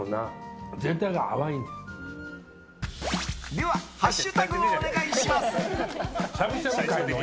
ではハッシュタグをお願いします。